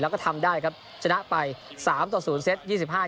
แล้วก็ทำได้นะครับชนะไป๓ต่อ๐สเซต